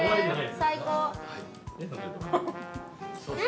最高。